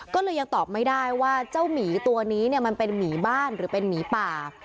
ก็เลยยังตอบไม่ได้ว่าเจ้าหมีตัวนี้มันเป็นหมีบ้านหรือเป็นหมีป่า